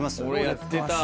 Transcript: やってた。